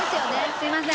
すいません。